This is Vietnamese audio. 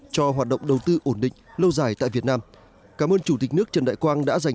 cho hoạt động đầu tư ổn định lâu dài tại việt nam cảm ơn chủ tịch nước trần đại quang đã dành